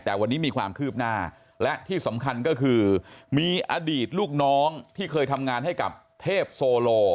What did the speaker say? แต่วันนี้มีความคืบหน้าและที่สำคัญก็คือมีอดีตลูกน้องที่เคยทำงานให้กับเทพโซโล